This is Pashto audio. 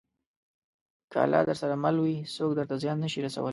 که الله درسره وي، څوک درته زیان نه شي رسولی.